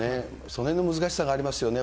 そのへんの難しさがありますよね。